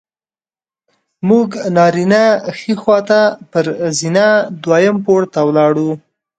موږ نارینه ښي خوا ته پر زینه دویم پوړ ته ولاړو.